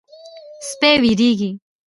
سپي وېرېږي.